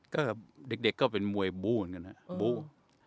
ก็เด็กก็เป็นมวยบู่ง่ะ